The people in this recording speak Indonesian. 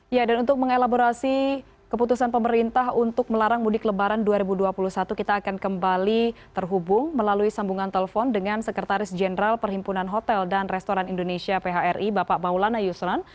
ya dan untuk mengelaborasi keputusan pemerintah untuk melarang mudik lebaran dua ribu dua puluh satu kita akan kembali terhubung melalui sambungan telepon dengan sekretaris jenderal perhimpunan hotel dan restoran indonesia phri bapak maulana yusran